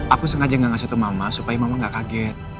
aku sengaja gak ngasih tuh mama supaya mama gak kaget